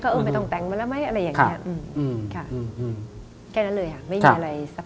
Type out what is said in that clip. ก็เออไม่ต้องแต่งมันแล้วไหมอะไรอย่างนี้แค่นั้นเลยไม่มีอะไรซับซ้อน